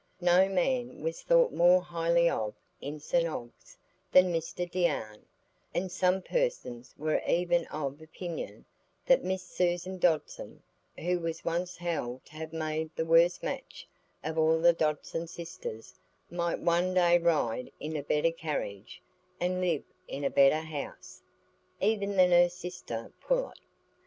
No man was thought more highly of in St Ogg's than Mr Deane; and some persons were even of opinion that Miss Susan Dodson, who was once held to have made the worst match of all the Dodson sisters, might one day ride in a better carriage, and live in a better house, even than her sister Pullet.